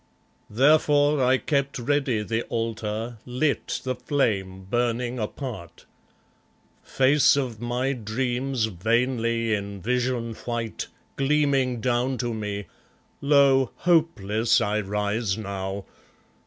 Therefore I kept ready the altar, lit The flame, burning apart. Face of my dreams vainly in vision white Gleaming down to me, lo! hopeless I rise now.